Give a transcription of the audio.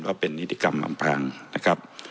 ก็เป็นนิติกรรมอำพรางนะครับ